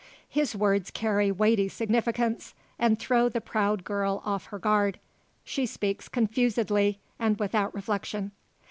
His words carry weighty significance, and throw the proud girl off her guard. She speaks confusedly, and without reflection.